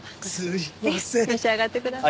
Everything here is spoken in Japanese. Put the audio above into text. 召し上がってください。